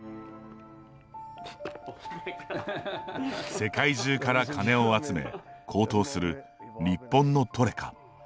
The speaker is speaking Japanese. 世界中から金を集め高騰する日本のトレカ。